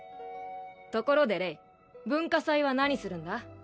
ところでレイ文化祭は何するんだ？